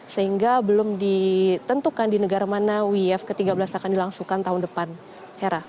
sehingga belum ditentukan di negara mana uf ke tiga belas akan dilangsungkan tahun depan hera